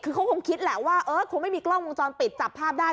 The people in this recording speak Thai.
คือเขาคงคิดแหละว่าเออคงไม่มีกล้องวงจรปิดจับภาพได้